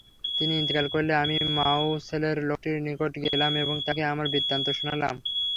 তিনি ইন্তেকাল করলে আমি মাওসেলের লোকটির নিকট গেলাম এবং তাকে আমার বৃত্তান্ত শুনালাম।